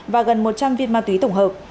và gần một trăm linh viên ma túy tổng hợp